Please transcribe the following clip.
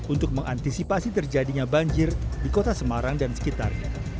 untuk mengantisipasi terjadinya banjir di kota semarang dan sekitarnya